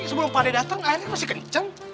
sebelum pak dek dateng airnya masih kenceng